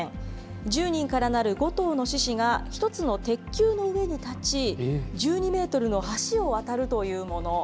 １０人からなる５頭の獅子が、１つの鉄球の上に立ち、１２メートルの橋を渡るというもの。